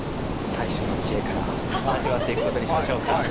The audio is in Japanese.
最初の知恵から味わっていくことにしましょうか。